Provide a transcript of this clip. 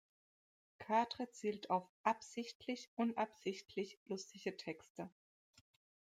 Cadre zielt auf „absichtlich unabsichtlich lustige Texte“.